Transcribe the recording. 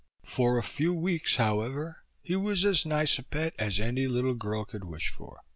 For a few weeks, however, he was as nice a pet as any little girl could wish for.